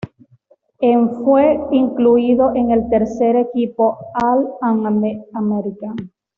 En fue incluido en el tercer equipo All-American.